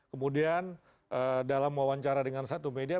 kemudian dalam wawancara dengan satu media